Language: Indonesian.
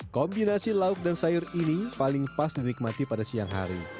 kombinasi lauk dan sayur ini paling pas dinikmati pada siang hari